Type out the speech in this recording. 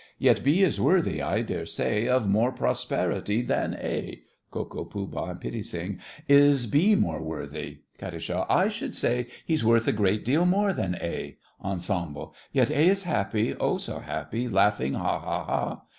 Yet B is worthy, I dare say, Of more prosperity than A! KO., POOH., and PITTI. Is B more worthy? KAT. I should say He's worth a great deal more than A. ENSEMBLE: Yet A is happy! Oh, so happy! Laughing, Ha! ha!